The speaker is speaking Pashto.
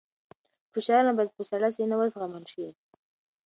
فشارونه باید په سړه سینه وزغمل شي.